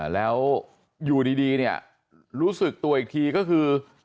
แล้วอยู่ดีเนี่ยรู้สึกตัวอีกทีก็คือ